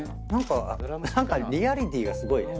何かリアリティーがすごいね。